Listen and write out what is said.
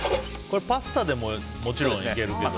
これ、パスタでももちろんいけるけど。